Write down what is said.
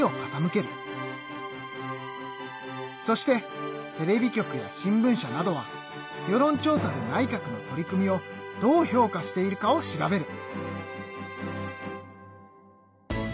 そしてテレビ局や新聞社などは世論調査で内閣の取り組みをどう評価しているかを調べる。